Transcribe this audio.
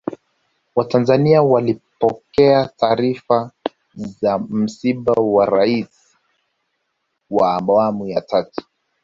watanzania walipokea taarifa za msiba wa raisi wa awamu ya tatu